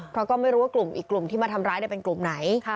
เพราะก็ไม่รู้ว่ากลุ่มอีกกลุ่มที่มาทำร้ายเป็นกลุ่มไหน